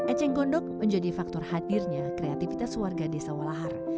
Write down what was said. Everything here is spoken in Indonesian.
ecingkondok menjadi faktor hadirnya kreatifitas warga desa walahar